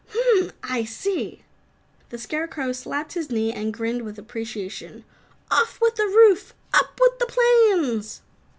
"Hmmmmn! I see!" The Scarecrow slapped his knee and grinned with appreciation. "Off with the roof! Up with the planes!"